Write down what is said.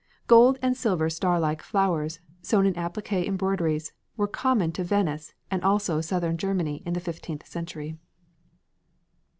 Gold and silver starlike flowers, sewn on appliqué embroideries, were common to Venice and also southern Germany in the fifteenth century.